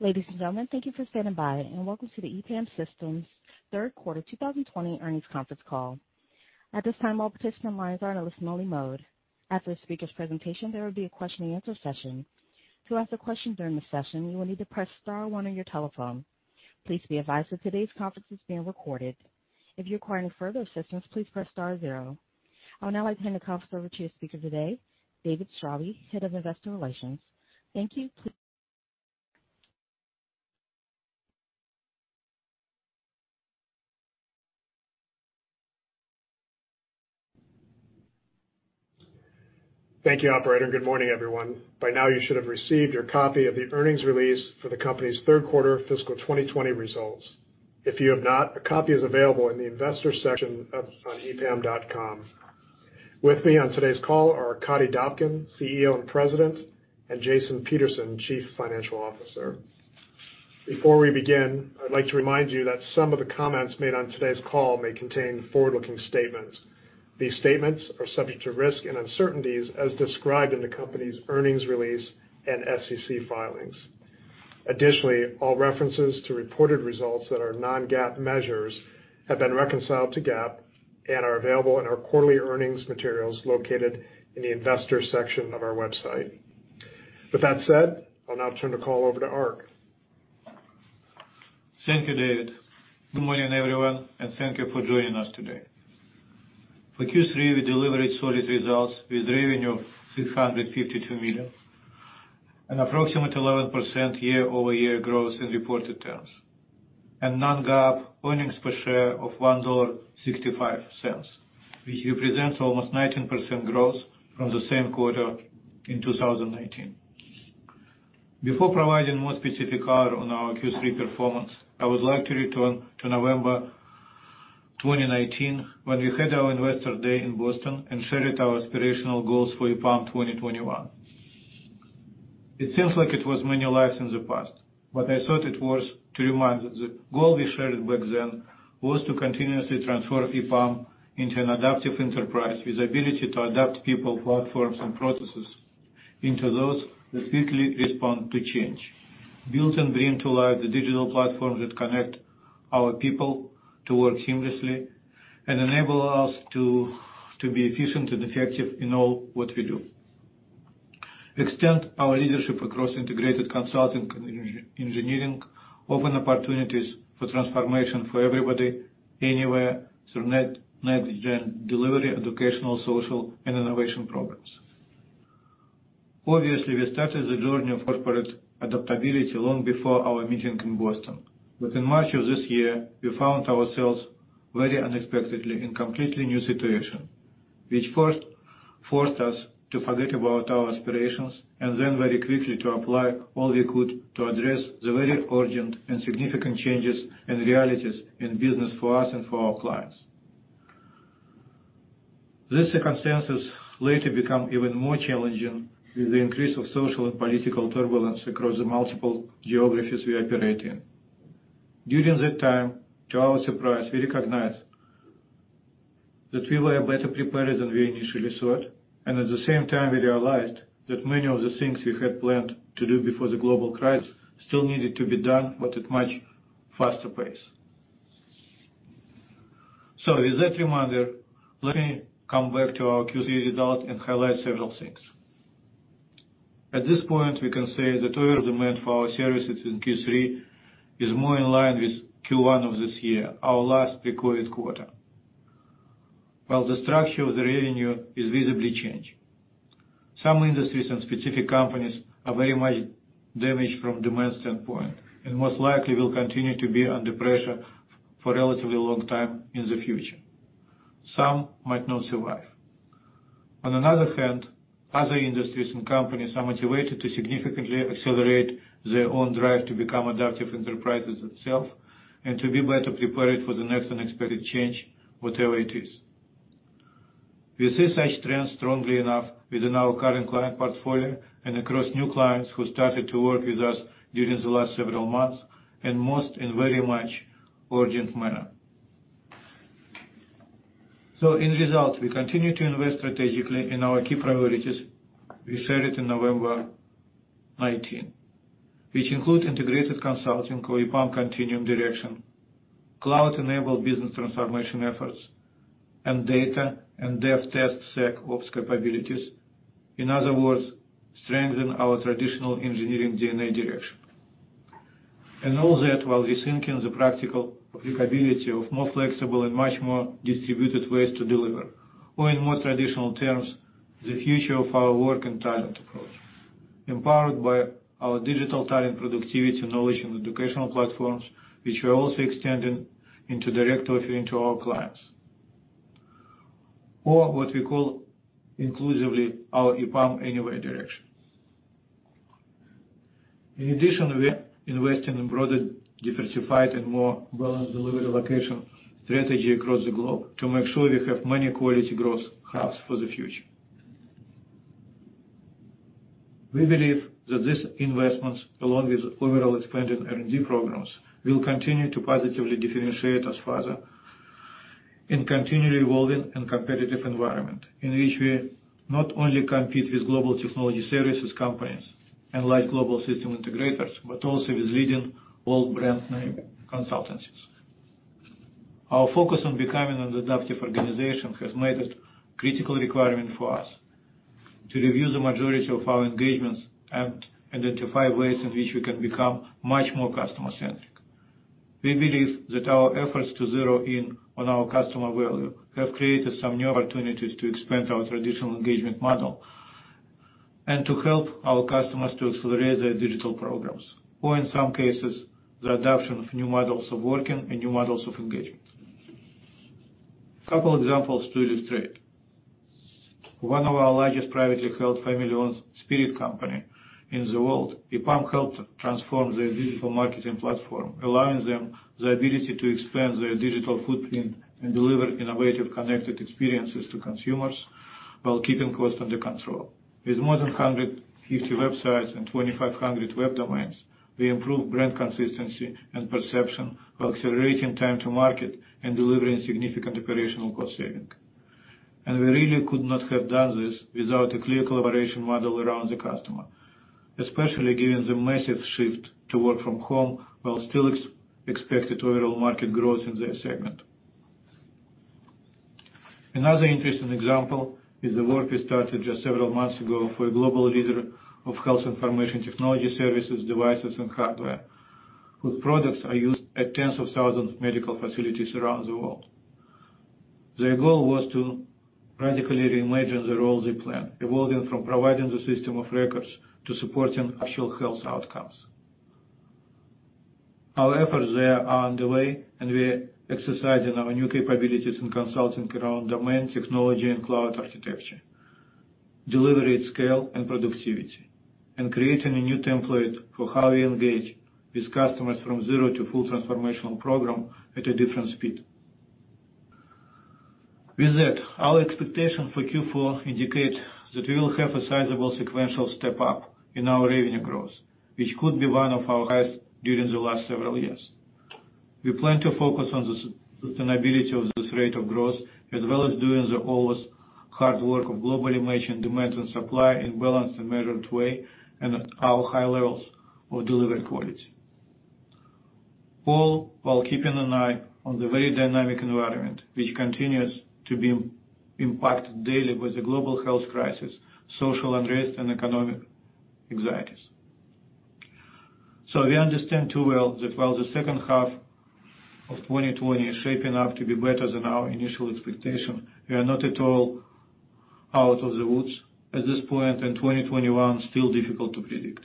Ladies and gentlemen, thank you for standing by, and welcome to the EPAM Systems Third Quarter 2020 Earnings Conference Call. At this time, all participant lines are in a listen-only mode. After the speaker's presentation, there will be a question-and-answer session. To ask a question during the session, you will need to press star one on your telephone. Please be advised that today's conference is being recorded. If you require any further assistance, please press star zero. I would now like to hand the conference over to your speaker today, David Straube, head of investor relations. Thank you. Thank you, operator. Good morning, everyone. By now you should have received your copy of the earnings release for the company's third quarter fiscal 2020 results. If you have not, a copy is available in the investor section up on epam.com. With me on today's call are Arkadiy Dobkin, CEO, and President, and Jason Peterson, Chief Financial Officer. Before we begin, I'd like to remind you that some of the comments made on today's call may contain forward-looking statements. These statements are subject to risks and uncertainties as described in the company's earnings release and SEC filings. Additionally, all references to reported results that are non-GAAP measures have been reconciled to GAAP and are available in our quarterly earnings materials located in the investor section of our website. With that said, I'll now turn the call over to Ark. Thank you, David. Good morning, everyone, and thank you for joining us today. For Q3, we delivered solid results with revenue of $652 million, an approximate 11% year-over-year growth in reported terms, and non-GAAP earnings per share of $1.65, which represents almost 19% growth from the same quarter in 2019. Before providing more specific color on our Q3 performance, I would like to return to November 2019, when we had our Investor Day in Boston and shared our aspirational goals for EPAM 2021. It seems like it was many lives in the past. What I thought it was to remind that the goal we shared back then was to continuously transform EPAM into an adaptive enterprise with the ability to adapt people, platforms, and processes into those that quickly respond to change. Build and bring to life the digital platforms that connect our people to work seamlessly and enable us to be efficient and effective in all that we do. Extend our leadership across integrated consulting and engineering. Open opportunities for transformation for everybody anywhere through next-gen delivery, educational, social, and innovation programs. Obviously, we started the journey of corporate adaptability long before our meeting in Boston. In March of this year, we found ourselves very unexpectedly in a completely new situation, which first forced us to forget about our aspirations, and then very quickly to apply all we could to address the very urgent and significant changes and realities in business for us and for our clients. These circumstances later become even more challenging with the increase of social and political turbulence across the multiple geographies we operate in. During that time, to our surprise, we recognized that we were better prepared than we initially thought, and at the same time, we realized that many of the things we had planned to do before the global crisis still needed to be done, but at a much faster pace. With that reminder, let me come back to our Q3 results and highlight several things. At this point, we can say the total demand for our services in Q3 is more in line with Q1 of this year, our last pre-COVID quarter. While the structure of the revenue is visibly changing. Some industries and specific companies are very much damaged from a demand standpoint, and most likely will continue to be under pressure for a relatively long time in the future. Some might not survive. On another hand, other industries and companies are motivated to significantly accelerate their own drive to become adaptive enterprises themselves and to be better prepared for the next unexpected change, whatever it is. We see such trends strongly enough within our current client portfolio and across new clients who started to work with us during the last several months, and most in a very much urgent manner. In results, we continue to invest strategically in our key priorities we shared in November 19, which include integrated consulting or EPAM Continuum direction, cloud-enabled business transformation efforts, and data and DevTestSecOps capabilities. In other words, strengthen our traditional engineering DNA direction. All that while rethinking the practical applicability of more flexible and much more distributed ways to deliver, or in more traditional terms, the future of our work and talent approach, empowered by our digital talent, productivity, knowledge, and educational platforms, which we're also extending into direct offering to our clients. Or what we call inclusively our EPAM Anywhere direction. In addition, we are investing in broader, diversified, and more balanced delivery location strategy across the globe to make sure we have many quality growth hubs for the future. We believe that these investments, along with overall expanded R&D programs, will continue to positively differentiate us further. In continually evolving and competitive environment in which we not only compete with global technology services companies and large global system integrators, but also with leading all brand name consultancies. Our focus on becoming an adaptive organization has made it critical requirement for us to review the majority of our engagements and identify ways in which we can become much more customer centric. We believe that our efforts to zero in on our customer value have created some new opportunities to expand our traditional engagement model and to help our customers to accelerate their digital programs. In some cases, the adoption of new models of working and new models of engagement. Couple examples to illustrate. One of our largest privately held family-owned spirit company in the world, EPAM helped transform their digital marketing platform, allowing them the ability to expand their digital footprint and deliver innovative connected experiences to consumers while keeping cost under control. With more than 150 websites and 2,500 web domains, we improved brand consistency and perception while accelerating time to market and delivering significant operational cost saving. We really could not have done this without a clear collaboration model around the customer, especially given the massive shift to work from home while still expected overall market growth in their segment. Another interesting example is the work we started just several months ago for a global leader of health information technology services, devices, and hardware, whose products are used at tens of thousands of medical facilities around the world. Their goal was to radically reimagine the role they play, evolving from providing the system of record to supporting actual health outcomes. Our efforts there are underway, and we are exercising our new capabilities in consulting around domain technology and cloud architecture, delivery at scale and productivity, and creating a new template for how we engage with customers from zero to full transformational program at a different speed. With that, our expectation for Q4 indicate that we will have a sizable sequential step up in our revenue growth, which could be one of our highest during the last several years. We plan to focus on the sustainability of this rate of growth as well as doing the always hard work of global managing demand and supply in balanced and measured way and at our high levels of delivery quality. All while keeping an eye on the very dynamic environment, which continues to be impacted daily with the global health crisis, social unrest, and economic anxieties. We understand too well that while the second half of 2020 is shaping up to be better than our initial expectation, we are not at all out of the woods at this point, and 2021 still difficult to predict.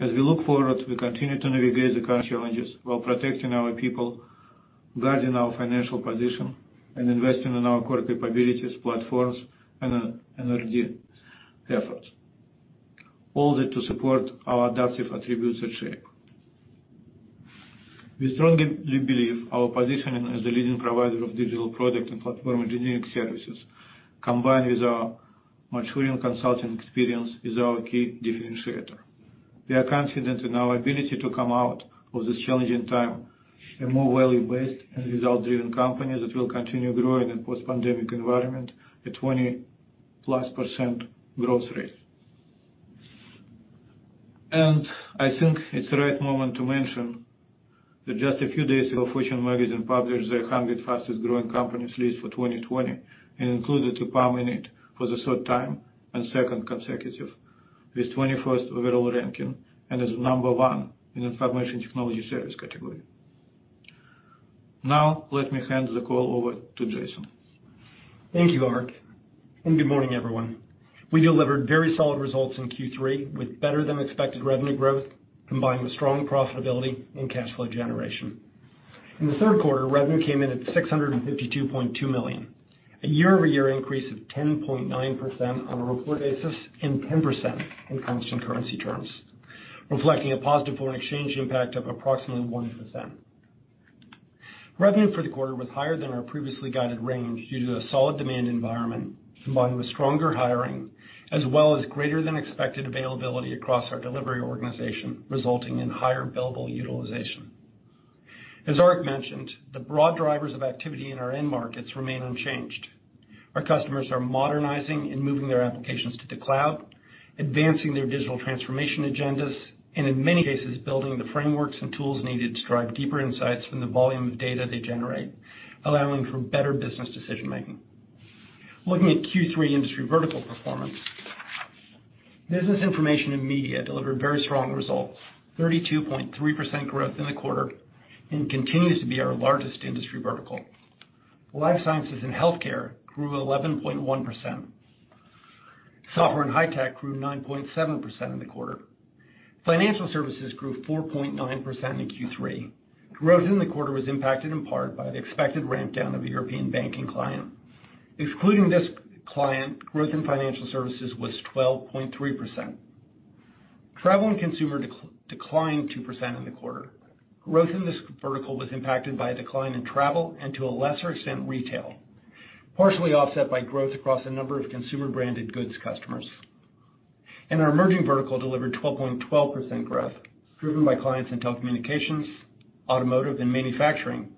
As we look forward, we continue to navigate the current challenges while protecting our people, guarding our financial position, and investing in our core capabilities, platforms, and R&D efforts. All that to support our adaptive attributes at shape. We strongly believe our positioning as a leading provider of digital product and platform engineering services, combined with our maturing consulting experience, is our key differentiator. We are confident in our ability to come out of this challenging time a more value-based and result-driven company that will continue growing in post-pandemic environment at 20+% growth rate. I think it's the right moment to mention that just a few days ago, Fortune Magazine published their 100 Fastest Growing Companies list for 2020 and included EPAM in it for the third time and second consecutive with 21st overall ranking and as number one in information technology service category. Now, let me hand the call over to Jason. Thank you, Ark, good morning, everyone. We delivered very solid results in Q3 with better than expected revenue growth, combined with strong profitability and cash flow generation. In the third quarter, revenue came in at $652.2 million, a year-over-year increase of 10.9% on a reported basis and 10% in constant currency terms, reflecting a positive foreign exchange impact of approximately 1%. Revenue for the quarter was higher than our previously guided range due to a solid demand environment, combined with stronger hiring, as well as greater than expected availability across our delivery organization, resulting in higher billable utilization. As Ark mentioned, the broad drivers of activity in our end markets remain unchanged. Our customers are modernizing and moving their applications to the cloud, advancing their digital transformation agendas, and in many cases, building the frameworks and tools needed to drive deeper insights from the volume of data they generate, allowing for better business decision-making. Looking at Q3 industry vertical performance, Business Information and Media delivered very strong results, 32.3% growth in the quarter, and continues to be our largest industry vertical. Life Sciences and Healthcare grew 11.1%. Software and High Tech grew 9.7% in the quarter. Financial Services grew 4.9% in Q3. Growth in the quarter was impacted in part by the expected ramp down of a European banking client. Excluding this client, growth in financial services was 12.3%. Travel and Consumer declined 2% in the quarter. Growth in this vertical was impacted by a decline in travel and, to a lesser extent, retail, partially offset by growth across a number of consumer-branded goods customers. Our emerging vertical delivered 12.12% growth, driven by clients in telecommunications, automotive, and manufacturing,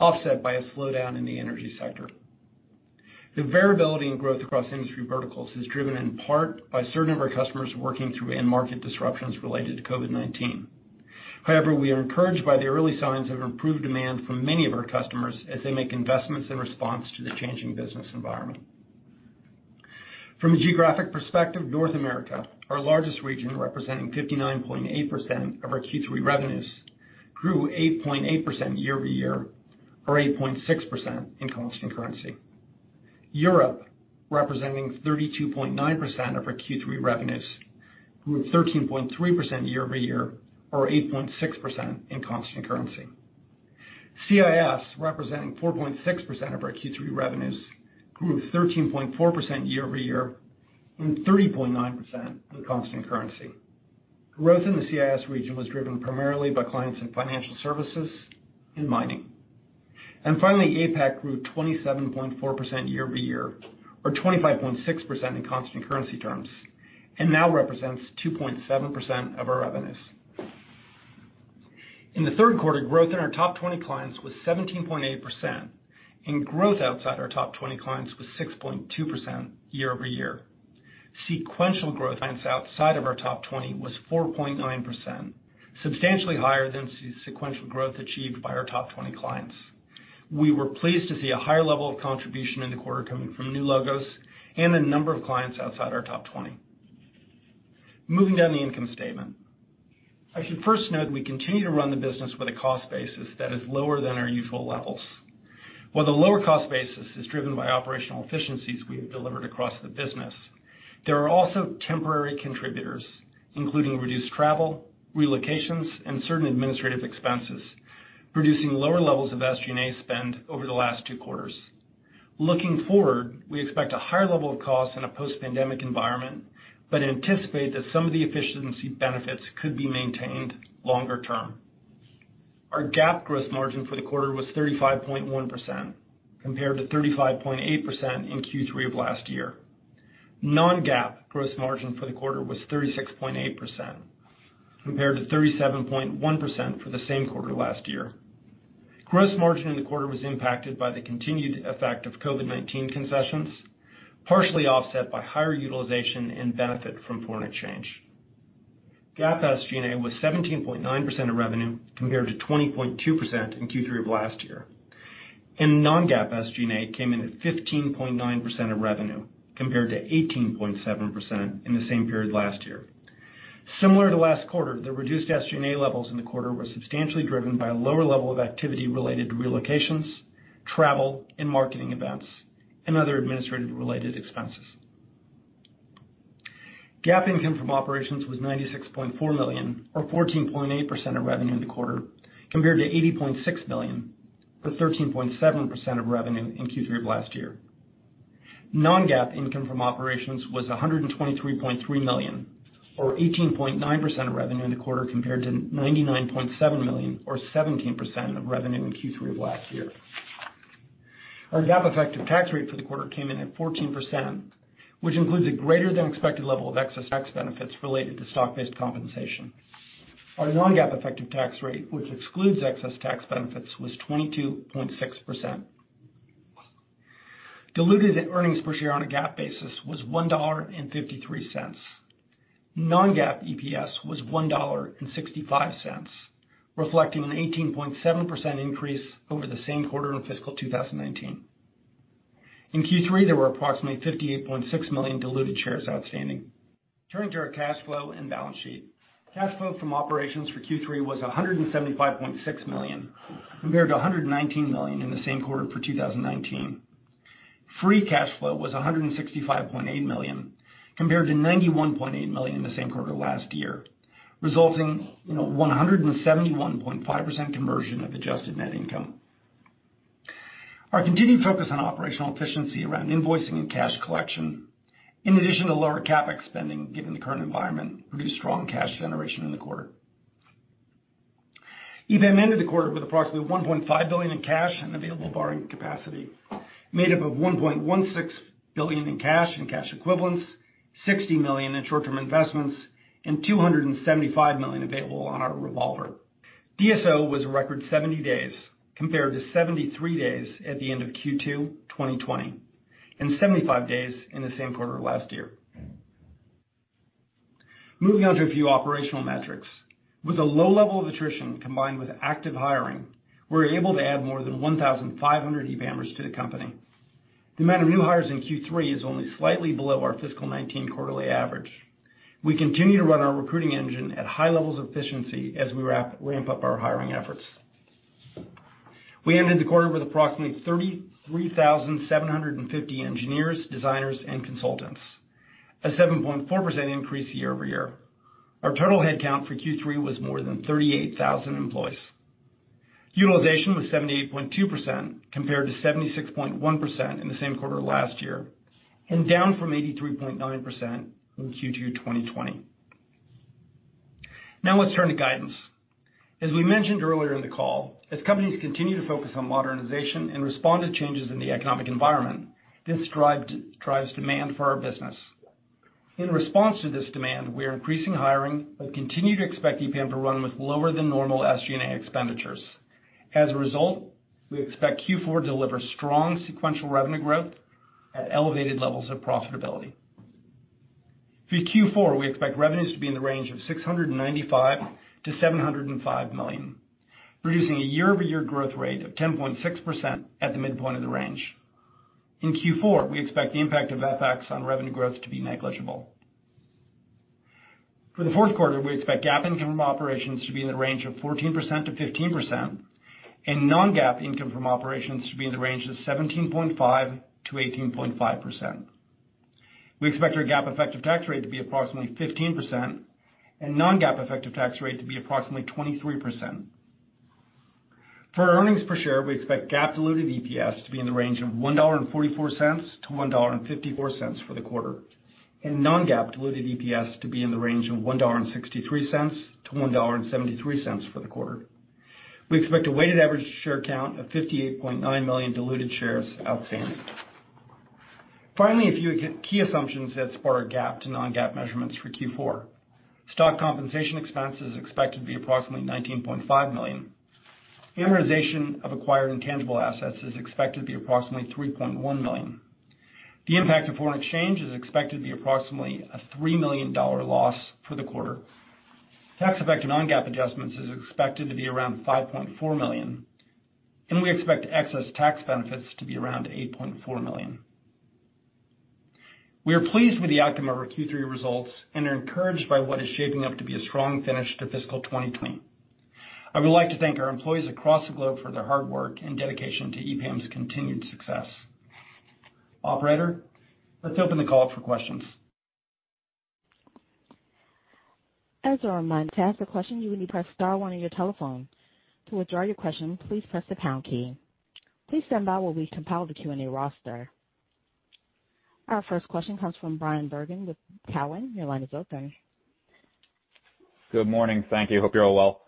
offset by a slowdown in the energy sector. The variability in growth across industry verticals is driven in part by certain of our customers working through end market disruptions related to COVID-19. However, we are encouraged by the early signs of improved demand from many of our customers as they make investments in response to the changing business environment. From a geographic perspective, North America, our largest region representing 59.8% of our Q3 revenues, grew 8.8% year-over-year, or 8.6% in constant currency. Europe, representing 32.9% of our Q3 revenues, grew 13.3% year-over-year, or 8.6% in constant currency. CIS, representing 4.6% of our Q3 revenues, grew 13.4% year-over-year, and 30.9% in constant currency. Growth in the CIS region was driven primarily by clients in financial services and mining. Finally, APAC grew 27.4% year-over-year, or 25.6% in constant currency terms, and now represents 2.7% of our revenues. In the third quarter, growth in our top 20 clients was 17.8%, and growth outside our top 20 clients was 6.2% year-over-year. Sequential growth outside of our top 20 was 4.9%, substantially higher than sequential growth achieved by our top 20 clients. We were pleased to see a higher level of contribution in the quarter coming from new logos and a number of clients outside our top 20. Moving down the income statement. I should first note we continue to run the business with a cost basis that is lower than our usual levels. While the lower cost basis is driven by operational efficiencies we have delivered across the business, there are also temporary contributors, including reduced travel, relocations, and certain administrative expenses, producing lower levels of SG&A spend over the last two quarters. Looking forward, we expect a higher level of cost in a post-pandemic environment, but anticipate that some of the efficiency benefits could be maintained longer-term. Our GAAP gross margin for the quarter was 35.1%, compared to 35.8% in Q3 of last year. Non-GAAP gross margin for the quarter was 36.8%, compared to 37.1% for the same quarter last year. Gross margin in the quarter was impacted by the continued effect of COVID-19 concessions, partially offset by higher utilization and benefit from foreign exchange. GAAP SG&A was 17.9% of revenue, compared to 20.2% in Q3 of last year. Non-GAAP SG&A came in at 15.9% of revenue, compared to 18.7% in the same period last year. Similar to last quarter, the reduced SG&A levels in the quarter were substantially driven by a lower level of activity related to relocations, travel and marketing events, and other administrative related expenses. GAAP income from operations was $96.4 million, or 14.8% of revenue in the quarter, compared to $80.6 million, or 13.7% of revenue in Q3 of last year. Non-GAAP income from operations was $123.3 million, or 18.9% of revenue in the quarter compared to $99.7 million, or 17% of revenue in Q3 of last year. Our GAAP effective tax rate for the quarter came in at 14%, which includes a greater than expected level of excess tax benefits related to stock-based compensation. Our non-GAAP effective tax rate, which excludes excess tax benefits, was 22.6%. Diluted earnings per share on a GAAP basis was $1.53. Non-GAAP EPS was $1.65, reflecting an 18.7% increase over the same quarter in fiscal 2019. In Q3, there were approximately 58.6 million diluted shares outstanding. Turning to our cash flow and balance sheet. Cash flow from operations for Q3 was $175.6 million, compared to $119 million in the same quarter for 2019. Free cash flow was $165.8 million, compared to $91.8 million in the same quarter last year, resulting in a 171.5% conversion of adjusted net income. Our continued focus on operational efficiency around invoicing and cash collection, in addition to lower CapEx spending given the current environment, produced strong cash generation in the quarter. EPAM ended the quarter with approximately $1.5 billion in cash and available borrowing capacity, made up of $1.16 billion in cash and cash equivalents, $60 million in short-term investments, and $275 million available on our revolver. DSO was a record 70 days, compared to 73 days at the end of Q2 2020, and 75 days in the same quarter last year. Moving on to a few operational metrics. With a low level of attrition combined with active hiring, we were able to add more than 1,500 EPAMers to the company. The amount of new hires in Q3 is only slightly below our fiscal 2019 quarterly average. We continue to run our recruiting engine at high levels of efficiency as we ramp up our hiring efforts. We ended the quarter with approximately 33,750 engineers, designers, and consultants, a 7.4% increase year-over-year. Our total head count for Q3 was more than 38,000 employees. Utilization was 78.2%, compared to 76.1% in the same quarter last year, and down from 83.9% in Q2 2020. Now let's turn to guidance. As we mentioned earlier in the call, as companies continue to focus on modernization and respond to changes in the economic environment, this drives demand for our business. In response to this demand, we are increasing hiring but continue to expect EPAM to run with lower than normal SG&A expenditures. As a result, we expect Q4 to deliver strong sequential revenue growth at elevated levels of profitability. For Q4, we expect revenues to be in the range of $695 million-$705 million, producing a year-over-year growth rate of 10.6% at the midpoint of the range. In Q4, we expect the impact of FX on revenue growth to be negligible. For the fourth quarter, we expect GAAP income from operations to be in the range of 14%-15%, and non-GAAP income from operations to be in the range of 17.5%-18.5%. We expect our GAAP effective tax rate to be approximately 15% and non-GAAP effective tax rate to be approximately 23%. For earnings per share, we expect GAAP diluted EPS to be in the range of $1.44-$1.54 for the quarter, and non-GAAP diluted EPS to be in the range of $1.63-$1.73 for the quarter. We expect a weighted average share count of 58.9 million diluted shares outstanding. Finally, a few key assumptions that support our GAAP to non-GAAP measurements for Q4. Stock compensation expense is expected to be approximately $19.5 million. Amortization of acquired intangible assets is expected to be approximately $3.1 million. The impact of foreign exchange is expected to be approximately a $3 million loss for the quarter. Tax effect to non-GAAP adjustments is expected to be around $5.4 million, and we expect excess tax benefits to be around $8.4 million. We are pleased with the outcome of our Q3 results and are encouraged by what is shaping up to be a strong finish to fiscal 2020. I would like to thank our employees across the globe for their hard work and dedication to EPAM's continued success. Operator, let's open the call up for questions. As a reminder, to ask a question, you will need to press star one on your telephone. To withdraw your question, please press the pound key. Please stand by while we compile the Q&A roster. Our first question comes from Bryan Bergin with Cowen. Your line is open. Good morning. Thank you. Hope you're all well.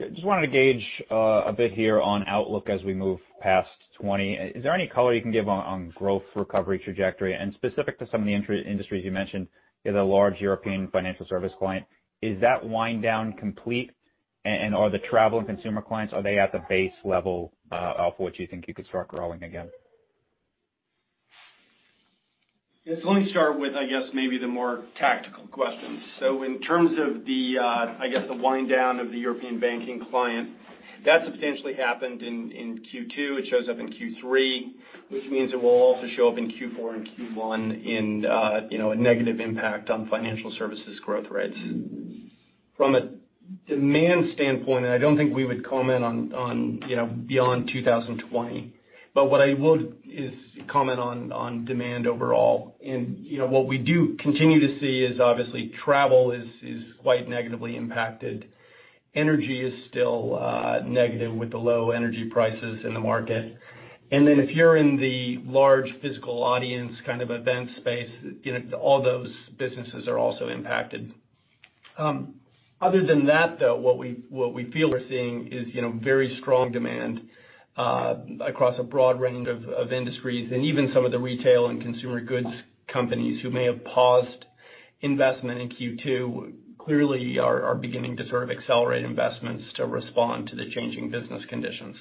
Just wanted to gauge a bit here on outlook as we move past 2020. Is there any color you can give on growth recovery trajectory and specific to some of the industries you mentioned, the large European financial service client, is that wind down complete? Are the travel and consumer clients, are they at the base level of what you think you could start growing again? Yes. Let me start with, I guess, maybe the more tactical questions. In terms of the, I guess, the wind down of the European banking client, that substantially happened in Q2. It shows up in Q3, which means it will also show up in Q4 and Q1 in a negative impact on financial services growth rates. From a demand standpoint, I don't think we would comment on beyond 2020, but what I would is comment on demand overall. What we do continue to see is obviously travel is quite negatively impacted. Energy is still negative with the low energy prices in the market. Then if you're in the large physical audience kind of event space, all those businesses are also impacted. Other than that, though, what we feel we're seeing is very strong demand across a broad range of industries. Even some of the retail and consumer goods companies who may have paused investment in Q2, clearly are beginning to sort of accelerate investments to respond to the changing business conditions.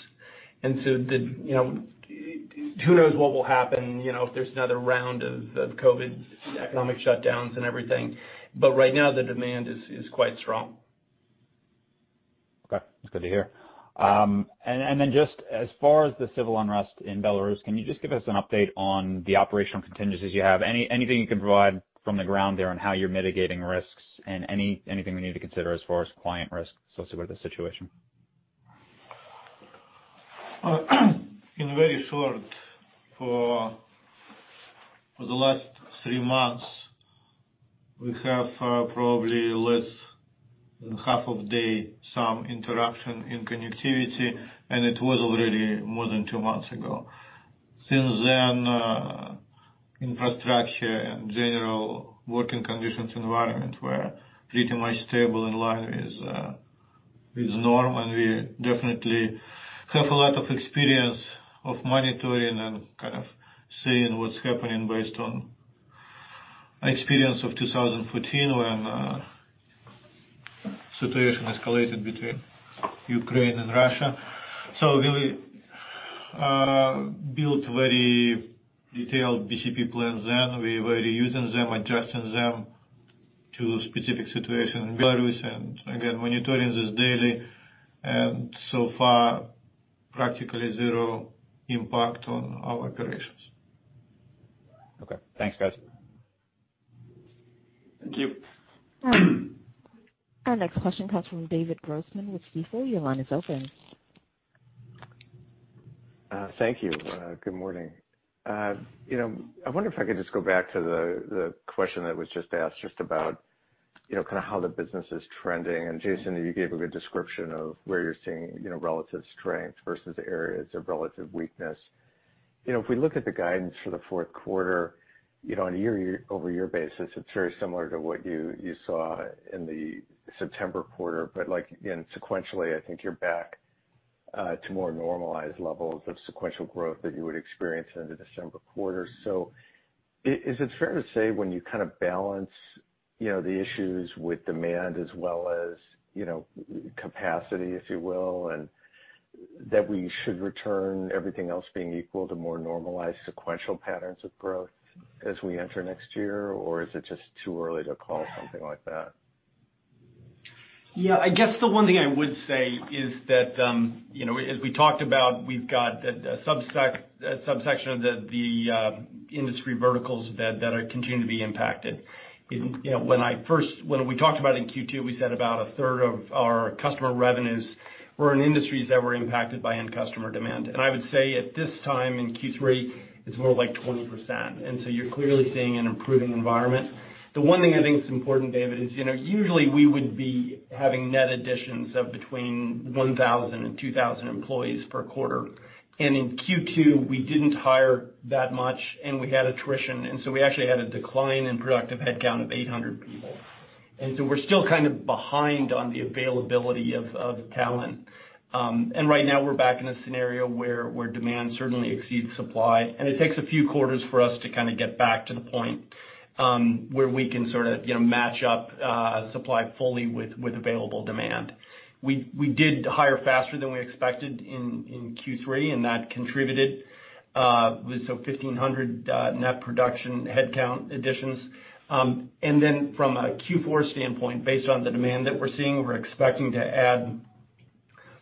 Who knows what will happen if there's another round of COVID economic shutdowns and everything, but right now the demand is quite strong. Okay. That's good to hear. Just as far as the civil unrest in Belarus, can you just give us an update on the operational contingencies you have? Anything you can provide from the ground there on how you're mitigating risks and anything we need to consider as far as client risk associated with the situation? In very short, for the last three months, we have probably less than half of day, some interruption in connectivity, and it was already more than two months ago. Infrastructure and general working conditions environment were pretty much stable and life is normal. We definitely have a lot of experience of monitoring and kind of seeing what's happening based on experience of 2014 when situation escalated between Ukraine and Russia. We built very detailed BCP plans then. We're reusing them, adjusting them to specific situation in Belarus. Monitoring this daily, and so far, practically zero impact on our operations. Okay. Thanks, guys. Thank you. Our next question comes from David Grossman with Stifel. Your line is open. Thank you. Good morning. I wonder if I could just go back to the question that was just asked just about how the business is trending. Jason, you gave a good description of where you're seeing relative strength versus areas of relative weakness. If we look at the guidance for the fourth quarter, on a year-over-year basis, it's very similar to what you saw in the September quarter. Again, sequentially, I think you're back to more normalized levels of sequential growth that you would experience in the December quarter. Is it fair to say when you balance the issues with demand as well as capacity, if you will, that we should return everything else being equal to more normalized sequential patterns of growth as we enter next year? Is it just too early to call something like that? Yeah, I guess the one thing I would say is that, as we talked about, we've got a subsection of the industry verticals that continue to be impacted. When we talked about in Q2, we said about a third of our customer revenues were in industries that were impacted by end customer demand. I would say at this time in Q3, it's more like 20%. You're clearly seeing an improving environment. The one thing I think is important, David, is usually we would be having net additions of between 1,000 and 2,000 employees per quarter. In Q2, we didn't hire that much, and we had attrition, and so we actually had a decline in productive headcount of 800 people. We're still kind of behind on the availability of talent. Right now we're back in a scenario where demand certainly exceeds supply, and it takes a few quarters for us to get back to the point where we can sort of match up supply fully with available demand. We did hire faster than we expected in Q3, and that contributed with so 1,500 net production headcount additions. Then from a Q4 standpoint, based on the demand that we're seeing, we're expecting to add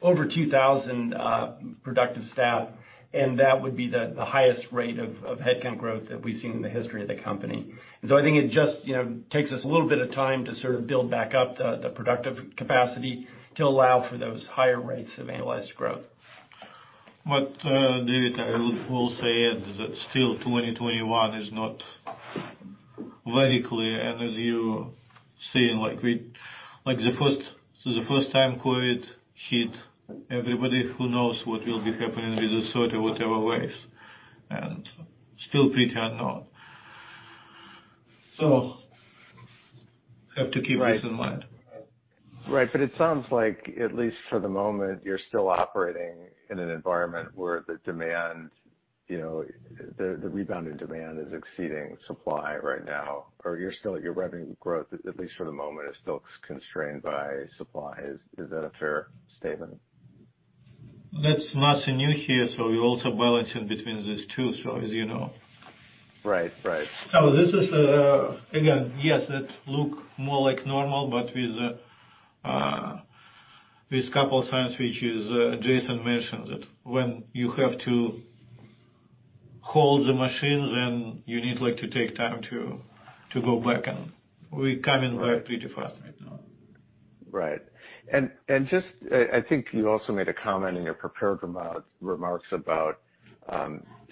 over 2,000 productive staff, and that would be the highest rate of headcount growth that we've seen in the history of the company. I think it just takes us a little bit of time to sort of build back up the productive capacity to allow for those higher rates of analyzed growth. David, I will say that still 2021 is not very clear, as you're saying, like the first time COVID hit everybody, who knows what will be happening with the sort of whatever ways. Still pretty unknown. Have to keep this in mind. Right. It sounds like, at least for the moment, you're still operating in an environment where the rebounded demand is exceeding supply right now, or your revenue growth, at least for the moment, is still constrained by supply. Is that a fair statement? That's nothing new here, so we're also balancing between these two. As you know. Right. This is, again, yes, that look more like normal, but with couple of times, which is Jason mentioned that when you have to hold the machine, then you need like to take time to go back, and we're coming back pretty fast right now. Right. I think you also made a comment in your prepared remarks about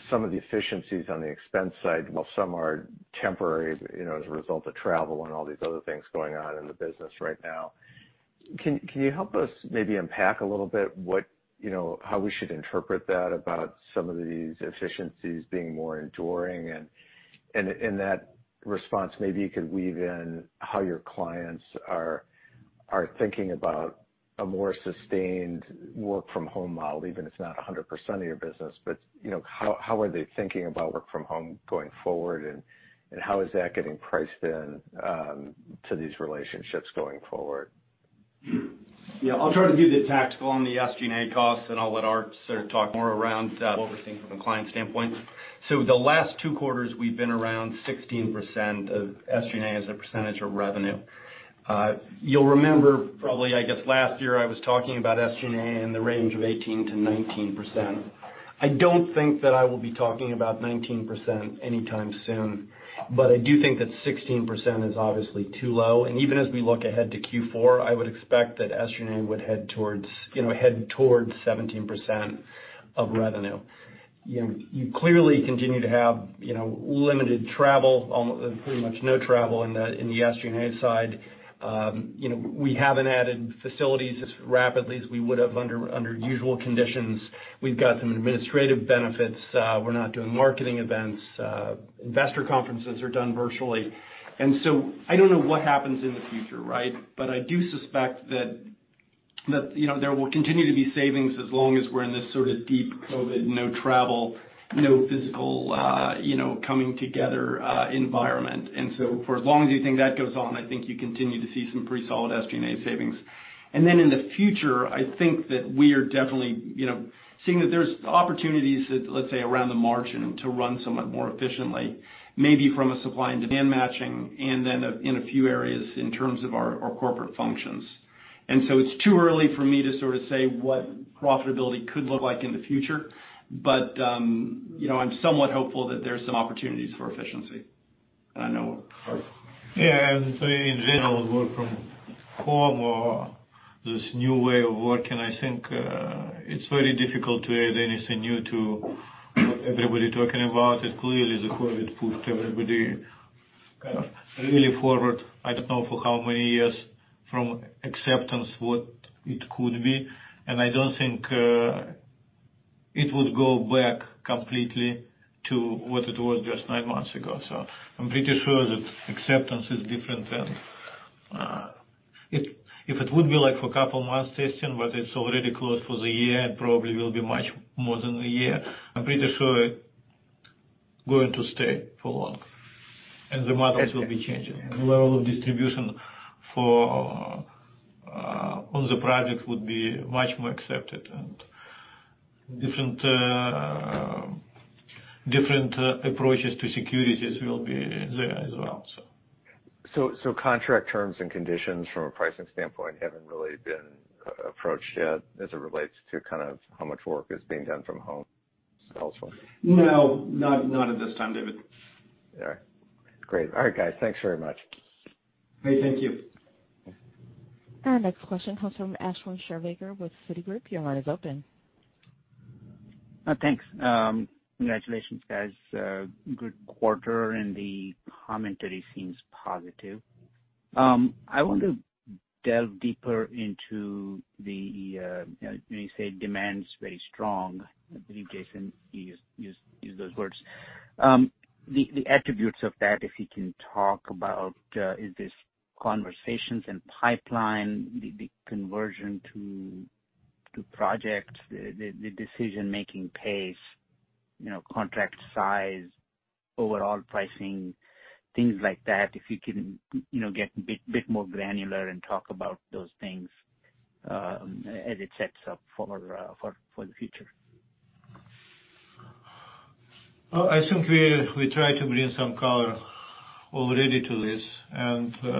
some of the efficiencies on the expense side, while some are temporary as a result of travel and all these other things going on in the business right now. Can you help us maybe unpack a little bit how we should interpret that about some of these efficiencies being more enduring? In that response, maybe you could weave in how your clients are thinking about a more sustained work from home model, even if it's not 100% of your business. How are they thinking about work from home going forward, and how is that getting priced in to these relationships going forward? Yeah. I'll try to do the tactical on the SG&A costs, and I'll let Ark sort of talk more around what we're seeing from a client standpoint. The last two quarters, we've been around 16% of SG&A as a percentage of revenue. You'll remember probably, I guess, last year, I was talking about SG&A in the range of 18%-19%. I don't think that I will be talking about 19% anytime soon, but I do think that 16% is obviously too low. Even as we look ahead to Q4, I would expect that SG&A would head towards 17% of revenue. You clearly continue to have limited travel, pretty much no travel in the SG&A side. We haven't added facilities as rapidly as we would have under usual conditions. We've got some administrative benefits. We're not doing marketing events. Investor conferences are done virtually. I don't know what happens in the future, right. I do suspect that there will continue to be savings as long as we're in this sort of deep COVID, no travel, no physical coming together environment. For as long as you think that goes on, I think you continue to see some pretty solid SG&A savings. In the future, I think that we are definitely seeing that there's opportunities that, let's say, around the margin to run somewhat more efficiently, maybe from a supply and demand matching and then in a few areas in terms of our corporate functions. It's too early for me to sort of say what profitability could look like in the future. I'm somewhat hopeful that there's some opportunities for efficiency. I know Ark. Yeah, I would say in general, work from home or this new way of working, I think it's very difficult to add anything new to what everybody talking about it. Clearly, the COVID pushed everybody kind of really forward, I don't know for how many years from acceptance what it could be. I don't think it would go back completely to what it was just nine months ago. I'm pretty sure that acceptance is different than If it would be like for couple months testing, but it's already closed for the year and probably will be much more than a year. I'm pretty sure it going to stay for long, and the models will be changing. The level of distribution on the project would be much more accepted, and different approaches to securities will be there as well also. Contract terms and conditions from a pricing standpoint haven't really been approached yet as it relates to kind of how much work is being done from home? Is that helpful? No, not at this time, David. All right. Great. All right, guys. Thanks very much. Hey, thank you. Okay. Our next question comes from Ashwin Shirvaikar with Citigroup. Your line is open. Thanks. Congratulations, guys. Good quarter, and the commentary seems positive. I want to delve deeper into the, when you say demand's very strong, I believe, Jason, you used those words. The attributes of that, if you can talk about, is this conversations and pipeline, the conversion to projects, the decision-making pace, contract size, overall pricing, things like that. If you can get bit more granular and talk about those things as it sets up for the future. Well, I think we try to bring some color already to this, and there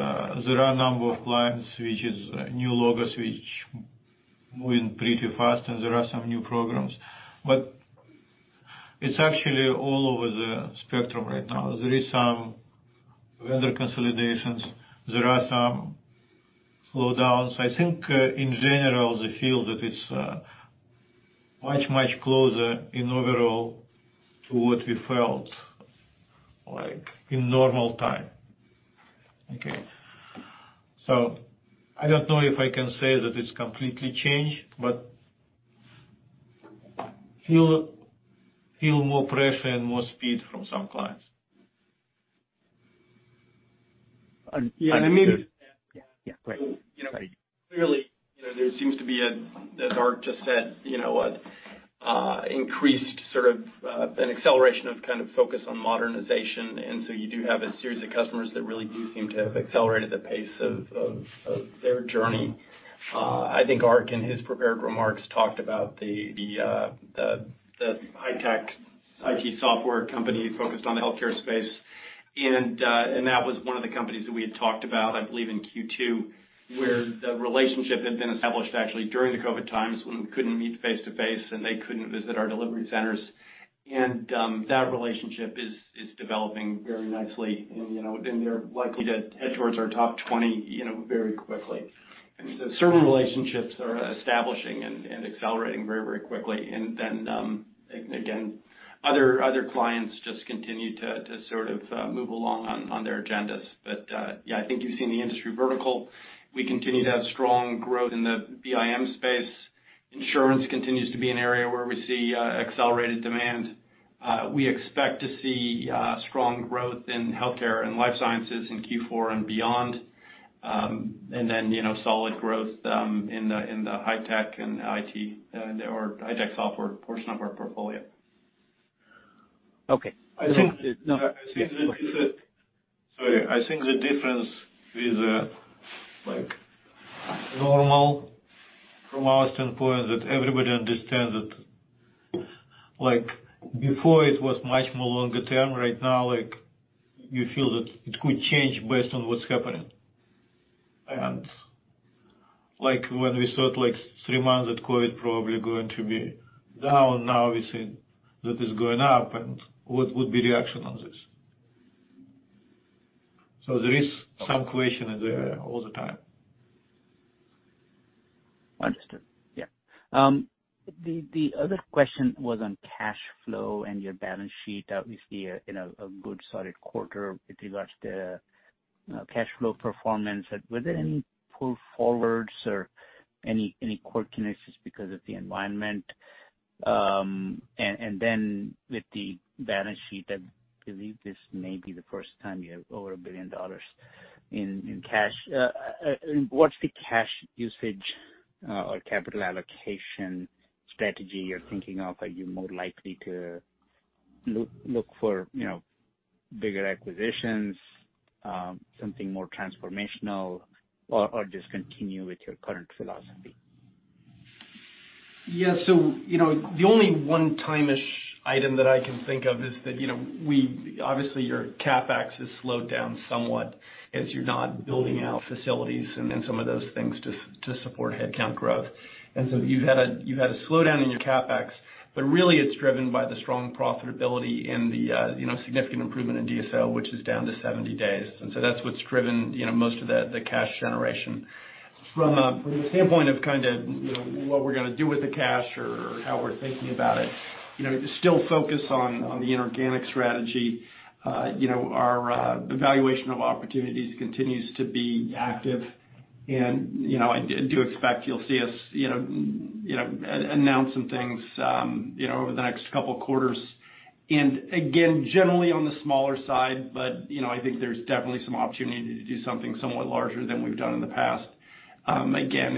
are a number of clients which is new logos, which moving pretty fast, and there are some new programs. It's actually all over the spectrum right now. There is some vendor consolidations. There are some slowdowns. I think, in general, the feel that it's much, much closer in overall to what we felt like in normal time. Okay. I don't know if I can say that it's completely changed, but feel more pressure and more speed from some clients. Understood. Yeah, great. Clearly, there seems to be, as Ark just said, an increased sort of an acceleration of kind of focus on modernization, and so you do have a series of customers that really do seem to have accelerated the pace of their journey. I think Ark, in his prepared remarks, talked about the high-tech IT software company focused on the healthcare space, and that was one of the companies that we had talked about, I believe, in Q2, where the relationship had been established actually during the COVID times when we couldn't meet face-to-face, and they couldn't visit our delivery centers. That relationship is developing very nicely, and they're likely to head towards our top 20 very quickly. Certain relationships are establishing and accelerating very, very quickly. Then, again, other clients just continue to sort of move along on their agendas. Yeah, I think you've seen the industry vertical. We continue to have strong growth in the BIM space. Insurance continues to be an area where we see accelerated demand. We expect to see strong growth in healthcare and life sciences in Q4 and beyond. Then, solid growth in the high-tech and IT, or high-tech software portion of our portfolio. Okay. Sorry. I think the difference is like normal from our standpoint, that everybody understands that, like, before it was much more longer-term. Right now, you feel that it could change based on what's happening. When we thought like three months that COVID probably going to be down, now we see that it's going up, and what would be reaction on this? There is some question there all the time. Understood. Yeah. The other question was on cash flow and your balance sheet. Obviously, a good solid quarter with regards to cash flow performance. Were there any pull forwards or any quirkiness just because of the environment? With the balance sheet, I believe this may be the first time you have over $1 billion in cash. What's the cash usage or capital allocation strategy you're thinking of? Are you more likely to look for bigger acquisitions, something more transformational, or just continue with your current philosophy? Yeah. The only one time-ish item that I can think of is that, obviously your CapEx has slowed down somewhat as you're not building out facilities and some of those things to support headcount growth. You've had a slowdown in your CapEx, but really it's driven by the strong profitability and the significant improvement in DSO, which is down to 70 days. That's what's driven most of the cash generation. From a standpoint of what we're going to do with the cash or how we're thinking about it, still focus on the inorganic strategy. Our evaluation of opportunities continues to be active. I do expect you'll see us announce some things over the next couple of quarters. Again, generally on the smaller side, but I think there's definitely some opportunity to do something somewhat larger than we've done in the past.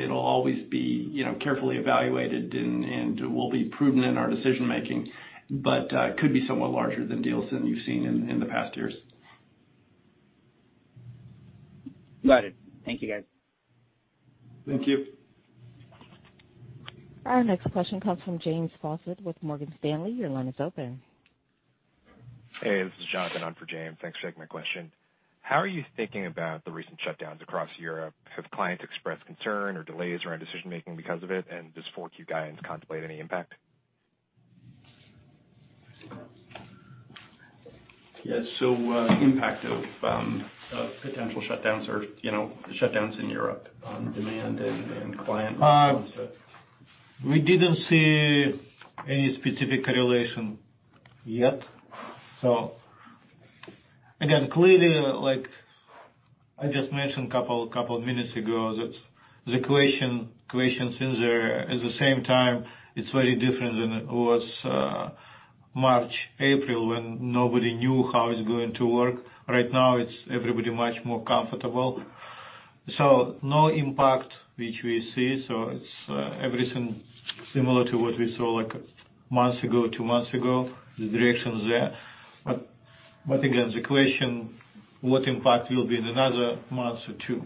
It'll always be carefully evaluated, and we'll be prudent in our decision-making, but could be somewhat larger than deals than you've seen in the past years. Got it. Thank you, guys. Thank you. Our next question comes from James Faucette with Morgan Stanley. Your line is open. Hey, this is Jonathan on for James. Thanks for taking my question. How are you thinking about the recent shutdowns across Europe? Have clients expressed concern or delays around decision-making because of it? Does 4Q guidance contemplate any impact? Yes. Impact of potential shutdowns or shutdowns in Europe on demand and client. We didn't see any specific correlation yet. Again, clearly, like I just mentioned a couple of minutes ago, that the question since at the same time, it's very different than it was March, April when nobody knew how it's going to work. Right now, it's everybody much more comfortable. No impact, which we see. It's everything similar to what we saw like a month ago, two months ago, the direction is there. Again, the question, what impact will be in another month or two?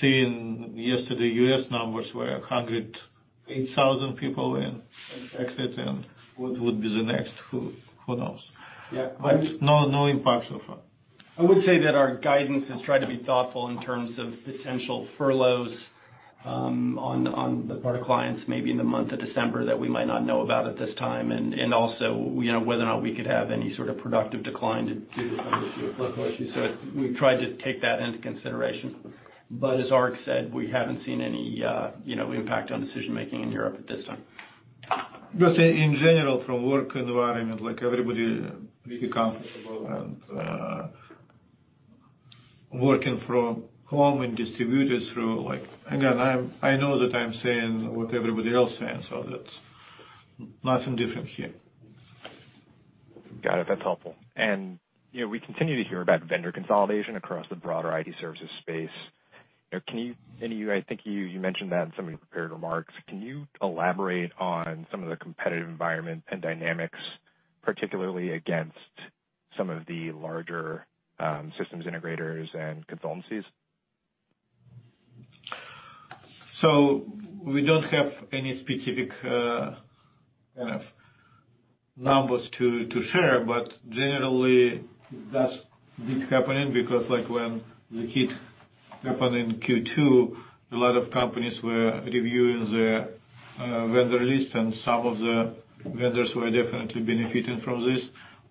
Seeing yesterday U.S. numbers were 108,000 people exited, and what would be the next? Who knows? Yeah. No impact so far. I would say that our guidance has tried to be thoughtful in terms of potential furloughs on the part of clients, maybe in the month of December, that we might not know about at this time, and also whether or not we could have any sort of productive decline due to some issue. We've tried to take that into consideration. As Ark said, we haven't seen any impact on decision-making in Europe at this time. In general, from work environment, everybody really comfortable and working from home. I know that I'm saying what everybody else saying, that's nothing different here. Got it. That's helpful. We continue to hear about vendor consolidation across the broader IT services space. I think you mentioned that in some of your prepared remarks. Can you elaborate on some of the competitive environment and dynamics, particularly against some of the larger systems integrators and consultancies? We don't have any specific kind of numbers to share, but generally that's been happening because when the hit happened in Q2, a lot of companies were reviewing their vendor list, and some of the vendors were definitely benefiting from this.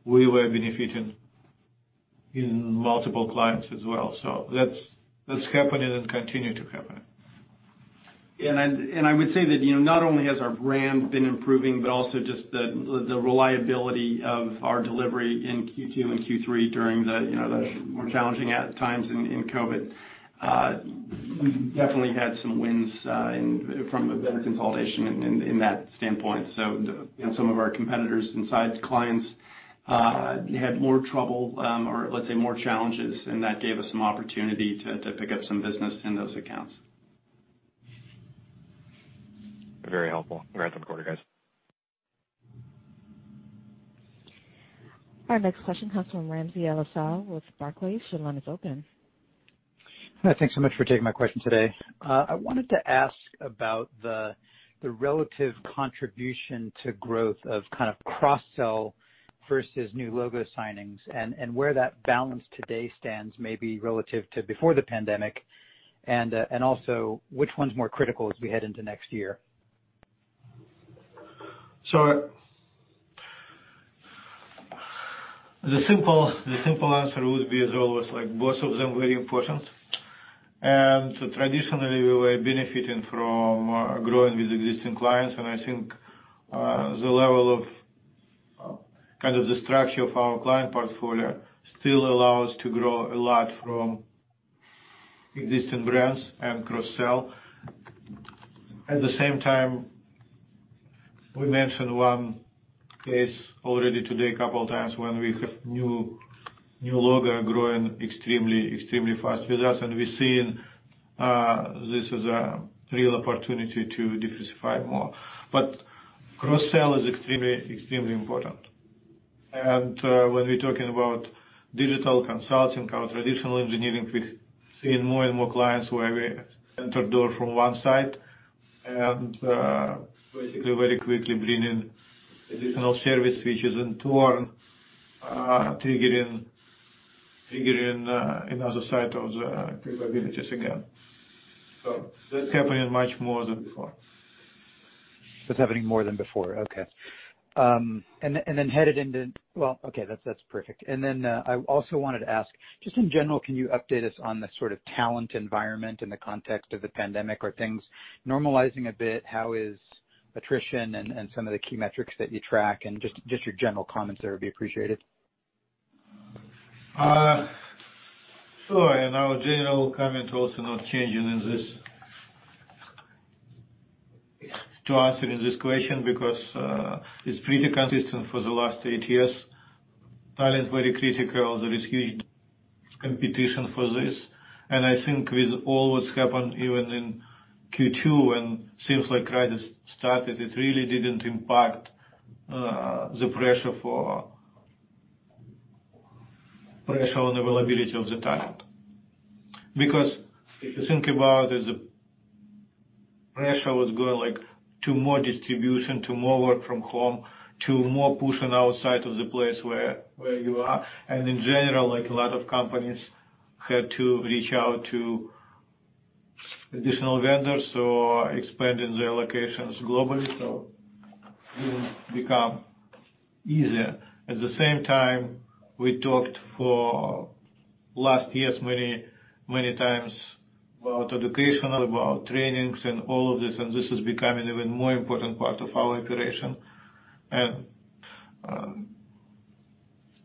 We were benefiting in multiple clients as well. That's happening and continue to happen. I would say that, not only has our brand been improving, but also just the reliability of our delivery in Q2 and Q3 during the more challenging times in COVID. We've definitely had some wins from a vendor consolidation in that standpoint. Some of our competitors inside clients had more trouble, or let's say more challenges, and that gave us some opportunity to pick up some business in those accounts. Very helpful. Great on the quarter, guys. Our next question comes from Ramsey El-Assal with Barclays. Your line is open. Hi, thanks so much for taking my question today. I wanted to ask about the relative contribution to growth of kind of cross-sell versus new logo signings and where that balance today stands, maybe relative to before the pandemic, and also which one's more critical as we head into next year? The simple answer would be, as always, both of them very important. Traditionally, we were benefiting from growing with existing clients, and I think the level of kind of the structure of our client portfolio still allows to grow a lot from existing brands and cross-sell. At the same time, we mentioned one case already today a couple of times when we have new logo growing extremely fast with us, and we're seeing this is a real opportunity to diversify more. Cross-sell is extremely important. When we're talking about digital consulting, our traditional engineering, we're seeing more and more clients where we enter door from one side and basically very quickly bring in additional service features and, in turn, triggering another side of the capabilities again. That's happening much more than before. That's happening more than before. Okay. Then headed into Well, okay. That's perfect. Then I also wanted to ask, just in general, can you update us on the sort of talent environment in the context of the pandemic? Are things normalizing a bit? How is attrition and some of the key metrics that you track, and just your general comments there would be appreciated. In our general comment, also not changing in this, to answering this question because it's pretty consistent for the last eight years. Talent is very critical. There is huge competition for this. I think with all what's happened, even in Q2, when seems like crisis started, it really didn't impact the pressure on availability of the talent. If you think about it, the pressure was going to more distribution, to more work from home, to more pushing outside of the place where you are. In general, a lot of companies had to reach out to additional vendors, so expanding their locations globally, so it didn't become easier. At the same time, we talked for last years many times about educational, about trainings and all of this, and this is becoming even more important part of our operation.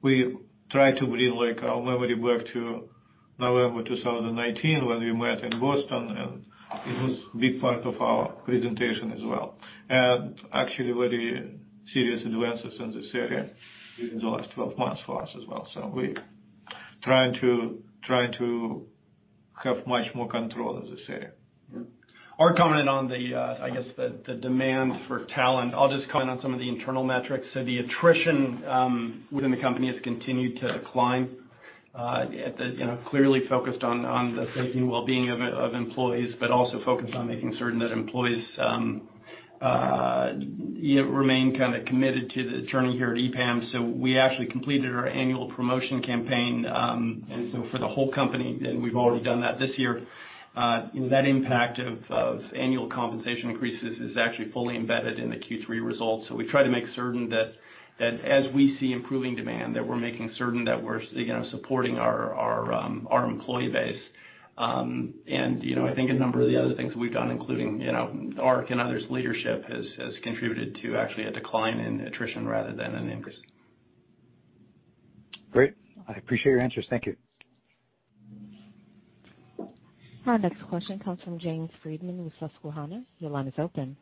We try to bring our memory back to November 2019, when we met in Boston, and it was big part of our presentation as well. Actually very serious advances in this area during the last 12 months for us as well. We're trying to have much more control in this area. Ark, commenting on the, I guess the demand for talent, I'll just comment on some of the internal metrics. The attrition within the company has continued to decline, clearly focused on the safety and wellbeing of employees, but also focused on making certain that employees yet remain committed to the journey here at EPAM. We actually completed our annual promotion campaign, and so for the whole company, and we've already done that this year. That impact of annual compensation increases is actually fully embedded in the Q3 results. We try to make certain that as we see improving demand, that we're making certain that we're supporting our employee base. I think a number of the other things that we've done, including Ark and others' leadership, has contributed to actually a decline in attrition rather than an increase. Great. I appreciate your answers. Thank you. Our next question comes from James Friedman with Susquehanna. Your line is open.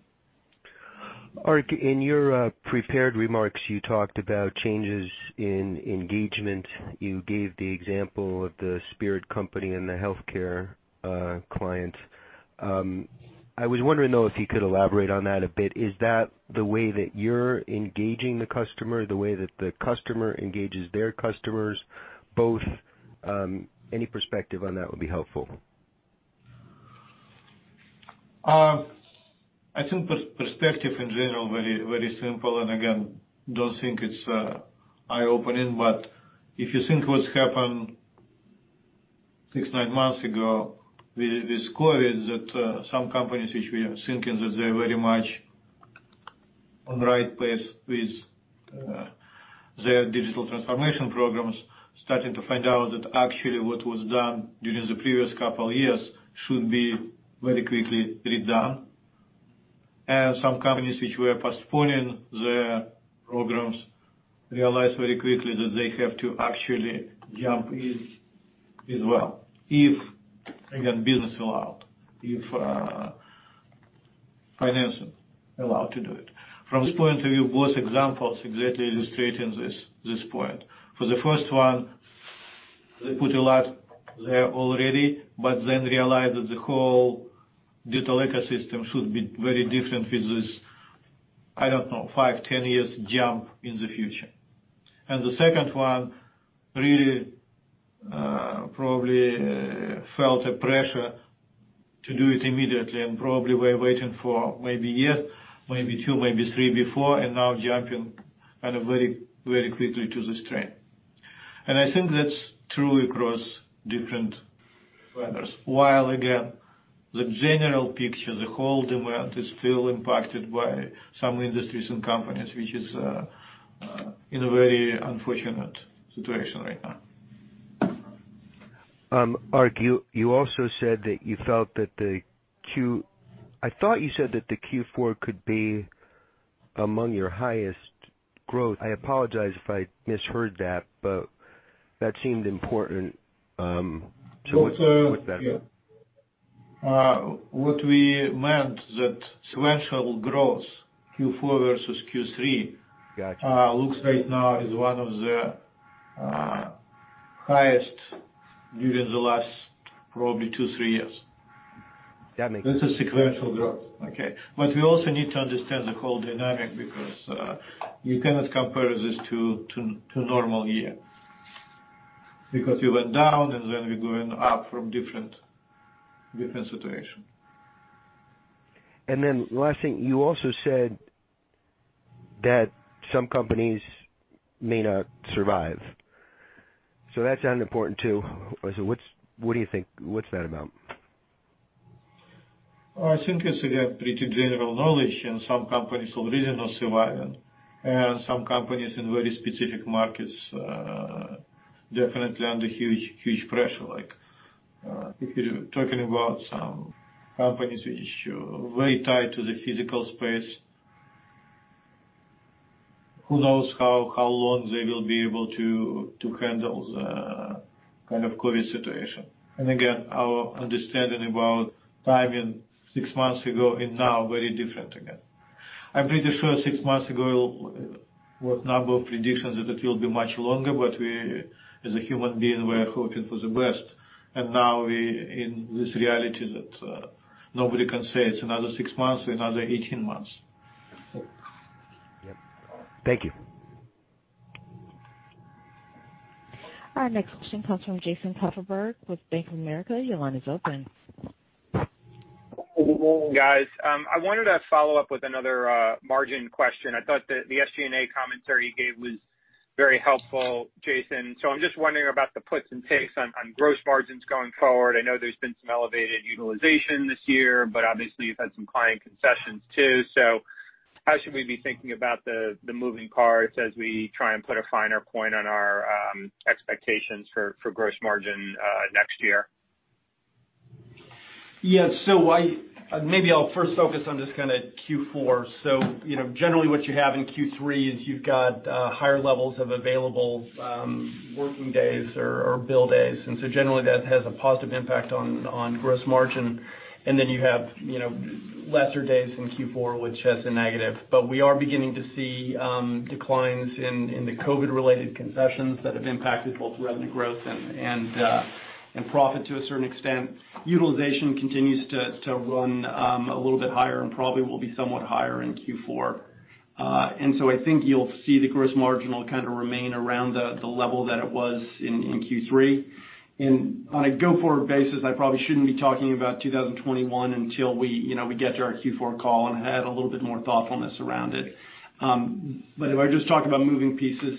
Ark, in your prepared remarks, you talked about changes in engagement. You gave the example of the Spirit company and the healthcare client. I was wondering, though, if you could elaborate on that a bit. Is that the way that you're engaging the customer, the way that the customer engages their customers, both? Any perspective on that would be helpful. I think perspective in general, very simple, again, don't think it's eye-opening. If you think what's happened six, nine months ago with COVID, that some companies which we are thinking that they're very much on right place with their digital transformation programs, starting to find out that actually what was done during the previous couple years should be very quickly redone. Some companies which were postponing their programs realize very quickly that they have to actually jump in as well. If, again, business allow, if financing allow to do it. From this point of view, both examples exactly illustrating this point. For the first one, they put a lot there already, but then realized that the whole digital ecosystem should be very different with this, I don't know, five, 10 years jump in the future. The second one really probably felt a pressure to do it immediately, and probably were waiting for maybe a year, maybe two, maybe three before, and now jumping very quickly to this trend. I think that's true across different vendors. While again, the general picture, the whole demand is still impacted by some industries and companies, which is in a very unfortunate situation right now. Ark, I thought you said that the Q4 could be among your highest growth. I apologize if I misheard that. But that seemed important, so what's that... What we meant that sequential growth, Q4 versus Q3. Got you. looks right now is one of the highest during the last probably two, three years. That makes sense. This is sequential growth. Okay. We also need to understand the whole dynamic because you cannot compare this to normal year. You went down, and then we're going up from different situation. Last thing, you also said. That some companies may not survive. That sounded important too. What do you think? What's that about? I think it's a pretty general knowledge in some companies who really not surviving, and some companies in very specific markets are definitely under huge pressure. If you're talking about some companies which are very tied to the physical space, who knows how long they will be able to handle the kind of COVID situation. Again, our understanding about time in six months ago and now very different again. I'm pretty sure six months ago, what number of predictions that it will be much longer, but we as a human being, we are hoping for the best. Now we in this reality that nobody can say it's another six months or another 18 months. Yep. Thank you. Our next question comes from Jason Kupferberg with Bank of America. Your line is open. Guys, I wanted to follow up with another margin question. I thought that the SG&A commentary you gave was very helpful, Jason. I'm just wondering about the puts and takes on gross margins going forward. I know there's been some elevated utilization this year, but obviously you've had some client concessions too. How should we be thinking about the moving parts as we try and put a finer point on our expectations for gross margin next year? Yeah. Maybe I'll first focus on just kind of Q4. Generally what you have in Q3 is you've got higher levels of available working days or bill days. Generally that has a positive impact on gross margin. Then you have lesser days in Q4, which has a negative. We are beginning to see declines in the COVID-related concessions that have impacted both revenue growth and profit to a certain extent. Utilization continues to run a little bit higher and probably will be somewhat higher in Q4. I think you'll see the gross margin will kind of remain around the level that it was in Q3. On a go-forward basis, I probably shouldn't be talking about 2021 until we get to our Q4 call and have a little bit more thoughtfulness around it. If I just talk about moving pieces,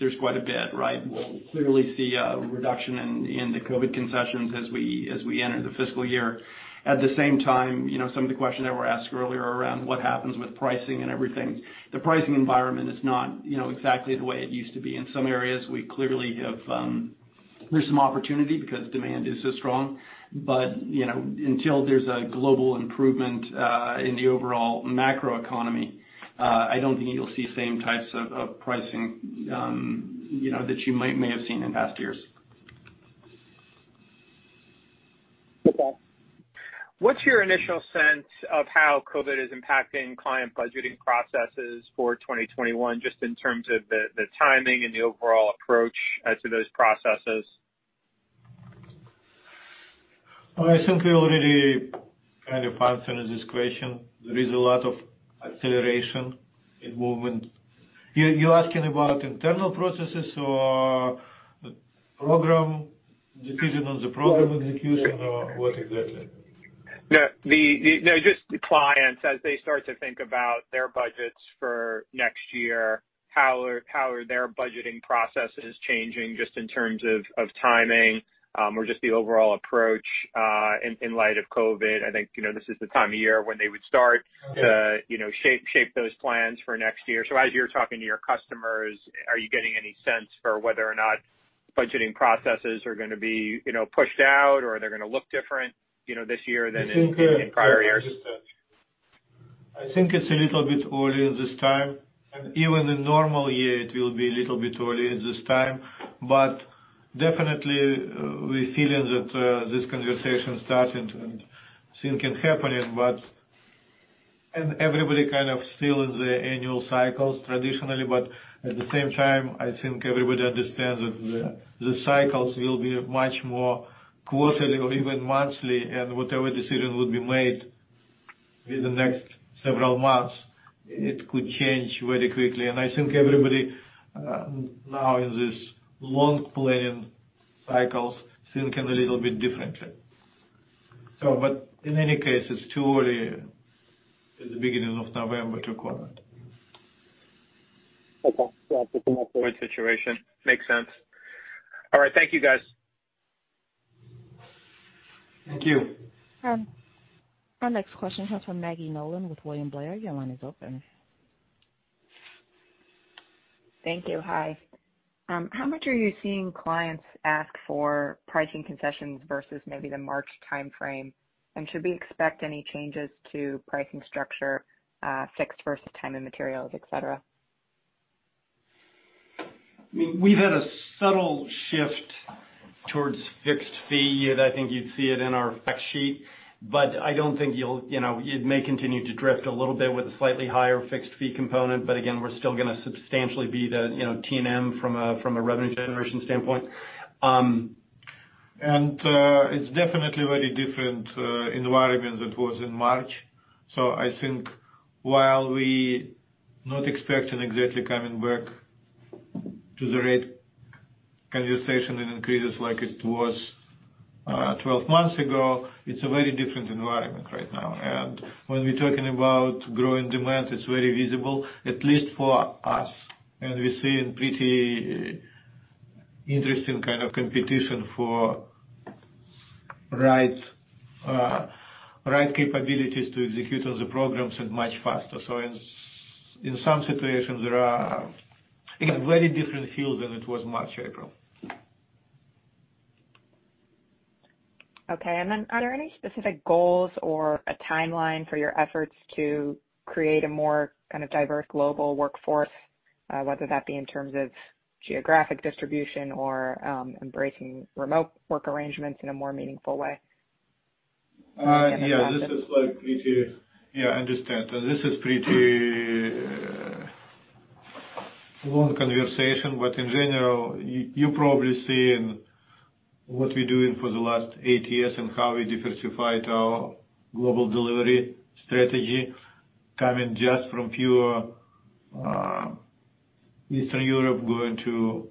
there's quite a bit, right? We'll clearly see a reduction in the COVID concessions as we enter the fiscal year. At the same time, some of the questions that were asked earlier around what happens with pricing and everything. The pricing environment is not exactly the way it used to be. In some areas, there's some opportunity because demand is so strong. Until there's a global improvement in the overall macro economy, I don't think you'll see same types of pricing that you may have seen in past years. Okay. What's your initial sense of how COVID is impacting client budgeting processes for 2021, just in terms of the timing and the overall approach to those processes? I think we already kind of answered this question. There is a lot of acceleration in movement. You're asking about internal processes or decision on the program execution or what exactly? Just clients as they start to think about their budgets for next year, how are their budgeting processes changing just in terms of timing or just the overall approach in light of COVID? I think this is the time of year when they would start to shape those plans for next year. As you're talking to your customers, are you getting any sense for whether or not budgeting processes are gonna be pushed out or they're gonna look different this year than in prior years? I think it's a little bit earlier this time, and even in normal year, it will be a little bit earlier this time. Definitely, we're feeling that this conversation starting and thing can happen, and everybody kind of still in their annual cycles traditionally, but at the same time, I think everybody understands that the cycles will be much more quarterly or even monthly, and whatever decision will be made in the next several months, it could change very quickly. I think everybody now in this long planning cycles thinking a little bit differently. In any case, it's too early at the beginning of November to comment. Okay. Yeah. situation. Makes sense. All right. Thank you, guys. Thank you. Our next question comes from Maggie Nolan with William Blair. Your line is open. Thank you. Hi. How much are you seeing clients ask for pricing concessions versus maybe the March timeframe? Should we expect any changes to pricing structure, fixed versus time and materials, et cetera? We've had a subtle shift towards fixed fee that I think you'd see it in our fact sheet. It may continue to drift a little bit with a slightly higher fixed fee component, but again, we're still going to substantially be the T&M from a revenue generation standpoint. It's definitely very different environment than it was in March. I think while we not expecting exactly coming back to the rate conversation and increases like it was 12 months ago, it's a very different environment right now. When we're talking about growing demand, it's very visible, at least for us. We're seeing pretty interesting kind of competition for right capabilities to execute on the programs and much faster. In some situations, there is a very different feel than it was March, April. Okay. Are there any specific goals or a timeline for your efforts to create a more kind of diverse global workforce, whether that be in terms of geographic distribution or embracing remote work arrangements in a more meaningful way? Yeah. I understand. This is pretty long conversation, but in general, you probably seen what we're doing for the last eight years and how we diversified our global delivery strategy, coming just from pure Eastern Europe, going to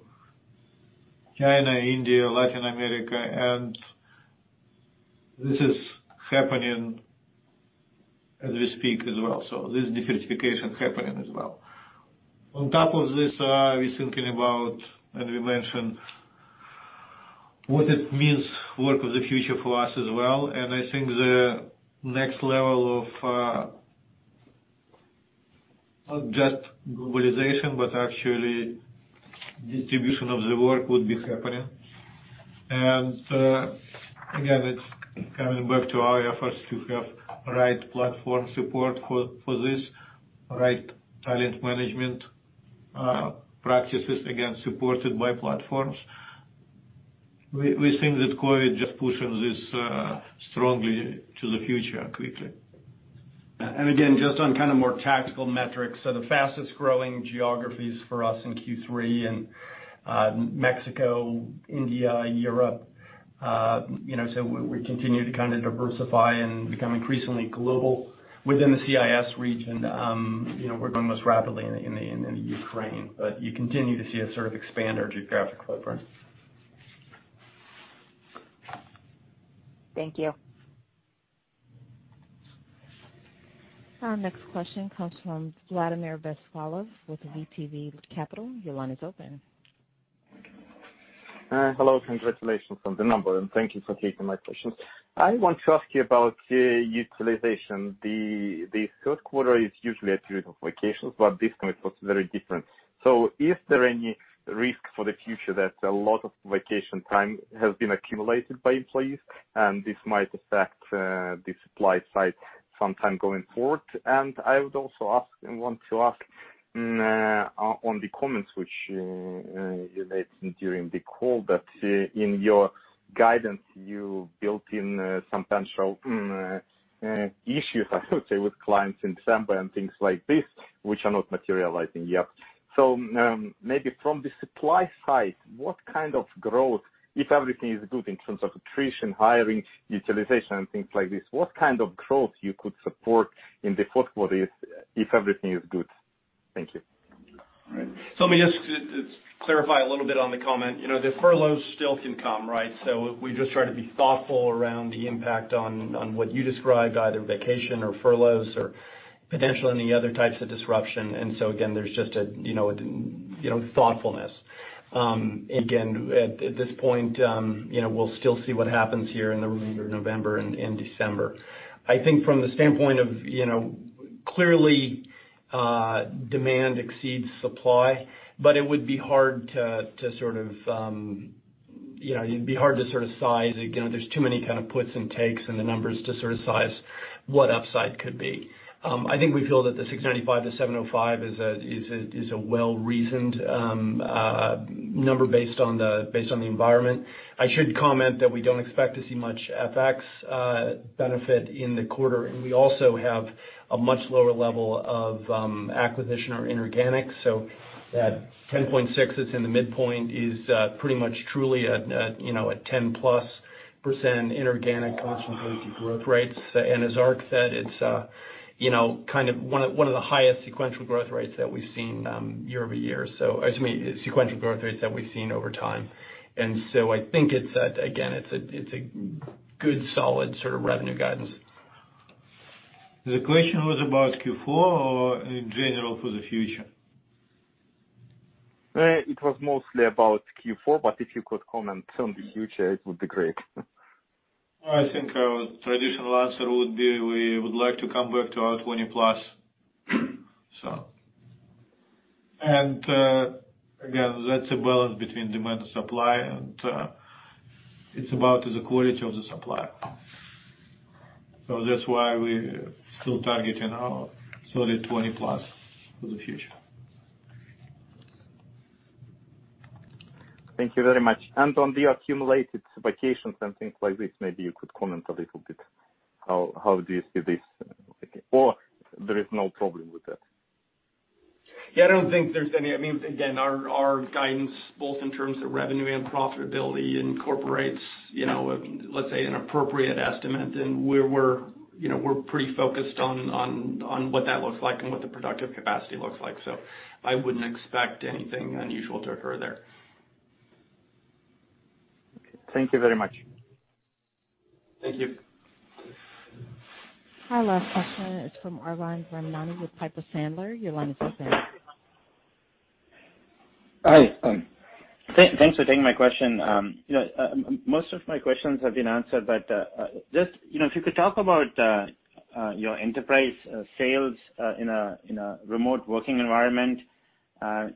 China, India, Latin America, and this is happening as we speak as well. This diversification happening as well. On top of this, we're thinking about, and we mentioned what it means work of the future for us as well, and I think the next level of not just globalization, but actually distribution of the work would be happening. Again, it's coming back to our efforts to have right platform support for this, right talent management practices, again, supported by platforms. We think that COVID just pushes this strongly to the future quickly. Again, just on kind of more tactical metrics. The fastest-growing geographies for us in Q3 in Mexico, India, Europe. We continue to kind of diversify and become increasingly global within the CIS region. We're growing most rapidly in the Ukraine, but you continue to see us sort of expand our geographic footprint. Thank you. Our next question comes from Vladimir Bespalov with VTB Capital. Your line is open. Hello. Congratulations on the number, and thank you for taking my questions. I want to ask you about utilization. The third quarter is usually a period of vacations, but this time it looks very different. Is there any risk for the future that a lot of vacation time has been accumulated by employees, and this might affect the supply side sometime going forward? I would also want to ask on the comments which you made during the call that in your guidance, you built in some potential issues, I would say, with clients in December and things like this, which are not materializing yet. Maybe from the supply side, what kind of growth, if everything is good in terms of attrition, hiring, utilization, and things like this, what kind of growth you could support in the fourth quarter if everything is good? Thank you. All right. Let me just clarify a little bit on the comment. The furloughs still can come, right? We just try to be thoughtful around the impact on what you described, either vacation or furloughs or potential any other types of disruption. Again, there's just a thoughtfulness. Again, at this point, we'll still see what happens here in the remainder of November and December. I think from the standpoint of clearly demand exceeds supply, but it would be hard to sort of size. Again, there's too many kind of puts and takes in the numbers to sort of size what upside could be. I think we feel that the $695-$705 is a well-reasoned number based on the environment. I should comment that we don't expect to see much FX benefit in the quarter, and we also have a much lower level of acquisition or inorganic. That 10.6% that's in the midpoint is pretty much truly a 10+% in organic constant currency growth rates. As Ark said, it's one of the highest sequential growth rates that we've seen year-over-year. I mean, sequential growth rates that we've seen over time. I think, again, it's a good solid sort of revenue guidance. The question was about Q4 or in general for the future? It was mostly about Q4, but if you could comment on the future, it would be great. I think our traditional answer would be we would like to come back to our 20+%. Again, that's a balance between demand and supply, and it's about the quality of the supply. That's why we're still targeting our solid 20+% for the future. Thank you very much. On the accumulated vacations and things like this, maybe you could comment a little bit how do you see this, or there is no problem with that? Yeah, Again, our guidance, both in terms of revenue and profitability, incorporates, let's say, an appropriate estimate, and we're pretty focused on what that looks like and what the productive capacity looks like. I wouldn't expect anything unusual to occur there. Thank you very much. Thank you. Our last question is from Arvind Ramnani with Piper Sandler. Your line is open. Hi. Thanks for taking my question. Most of my questions have been answered, but just if you could talk about your enterprise sales in a remote working environment.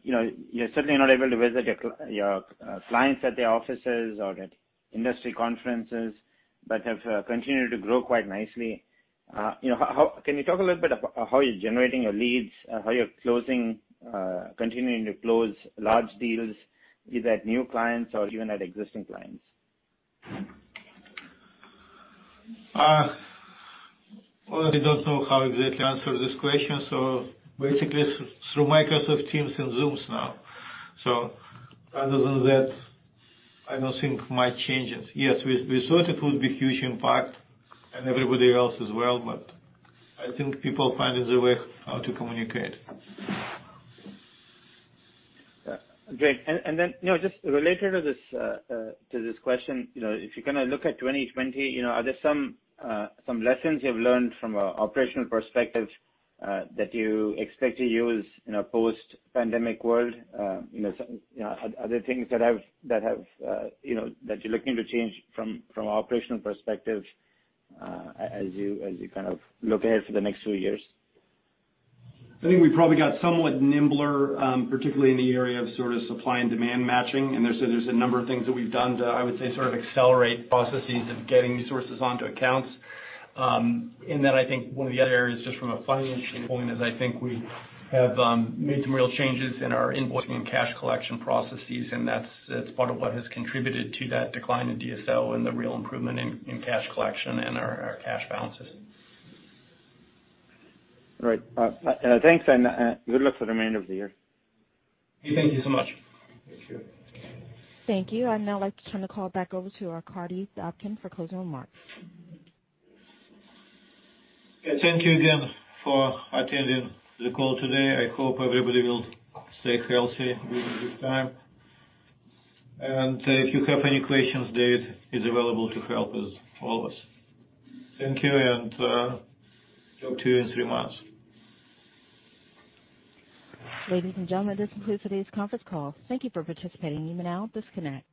You're certainly not able to visit your clients at their offices or at industry conferences, but have continued to grow quite nicely. Can you talk a little bit about how you're generating your leads, how you're continuing to close large deals, be that new clients or even at existing clients? Well, I don't know how exactly answer this question. Basically through Microsoft Teams and Zoom now. Other than that, I don't think much changes. Yes, we thought it would be huge impact and everybody else as well, but I think people finding their way how to communicate. Yeah. Great. Just related to this question, if you kind of look at 2020, are there some lessons you've learned from a operational perspective that you expect to use in a post-pandemic world? Are there things that you're looking to change from operational perspective as you kind of look ahead for the next few years? I think we probably got somewhat nimbler, particularly in the area of sort of supply and demand matching. There's a number of things that we've done to, I would say, sort of accelerate processes of getting resources onto accounts. In that, I think one of the other areas, just from a financial point, is I think we have made some real changes in our invoicing and cash collection processes, and that's part of what has contributed to that decline in DSO and the real improvement in cash collection and our cash balances. All right. Thanks. Good luck for the remainder of the year. Thank you so much. Thank you. I'd now like to turn the call back over to Arkadiy Dobkin for closing remarks. Yeah. Thank you again for attending the call today. I hope everybody will stay healthy during this time. If you have any questions, David is available to help all of us. Thank you, and talk to you in three months. Ladies and gentlemen, this concludes today's conference call. Thank you for participating. You may now disconnect.